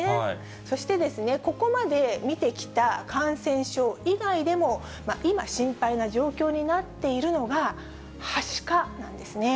そしてですね、ここまで見てきた感染症以外でも、今、心配な状況になっているのが、はしかなんですね。